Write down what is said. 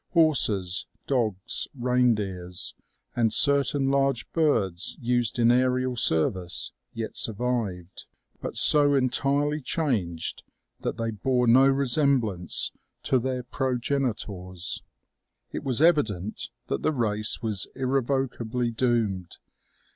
Horses, dogs, reindeers, and certain large birds used in aerial service, yet survived, but so entirely changed that they bore no resemblance to their progenitors. It was evident that the race was irrevocably doomed.